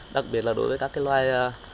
đặc biệt là đối với các cái loài